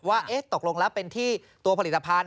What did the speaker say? ว่าตกลงแล้วเป็นที่ตัวผลิตภัณฑ